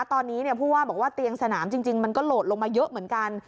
ตอนนี้ผู้ว่าบอกว่าเตียงสนามจริงมันก็โหลดลงมาเยอะเหมือนกัน